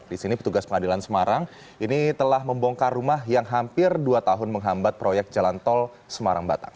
di sini petugas pengadilan semarang ini telah membongkar rumah yang hampir dua tahun menghambat proyek jalan tol semarang batang